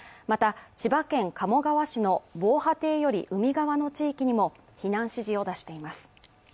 また、千葉県鴨川市の防波堤より海側の地域にも避難指示を出しています。